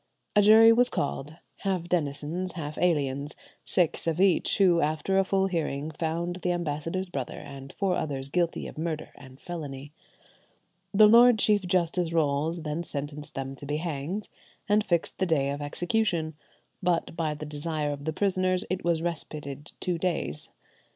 A jury was called, half denizens, half aliens, six of each, who, after a full hearing, found the ambassador's brother and four others guilty of murder and felony. Lord Chief Justice Rolles then sentenced them to be hanged, and fixed the day of execution; but by the desire of the prisoners it was respited two days.